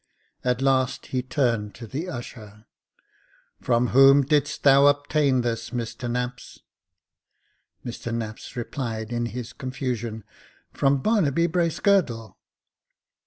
At last he turned to the usher. " From whom didst thou obtain this, Mr Knapps ?" Mr Knapps replied, in his confusion. " From Barnaby Bracegirdle."